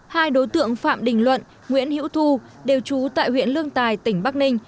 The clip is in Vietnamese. hai đối tượng phạm đình luận nguyễn hữu thu đều trú tại huyện lương tài tỉnh bắc ninh